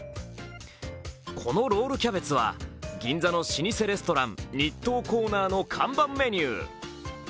このロールキャベツは銀座の老舗レストラン日東コーナーの看板メニュー。